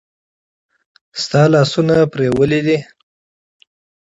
ایا ستاسو لاسونه به مینځل شوي وي؟